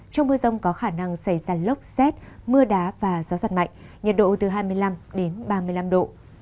trong mưa rông có khả năng xảy ra lốc xét mưa đá và gió giật mạnh nhiệt độ từ hai mươi năm ba mươi năm độ